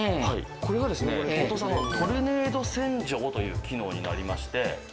これがですねＴＯＴＯさんのトルネード洗浄という機能になりまして。